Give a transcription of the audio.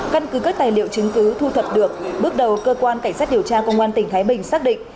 căn cứ các tài liệu chứng cứ thu thập được bước đầu cơ quan cảnh sát điều tra công an tỉnh thái bình xác định